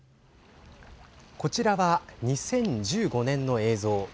こちらは、２０１５年の映像。